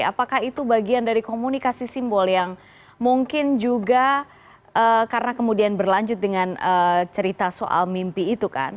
apakah itu bagian dari komunikasi simbol yang mungkin juga karena kemudian berlanjut dengan cerita soal mimpi itu kan